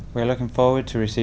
chúng tôi rất mong nhận được